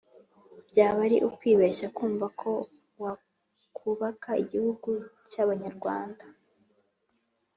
byaba ari ukwibeshya kumva ko wakubaka igihugu cy'abanyarwanda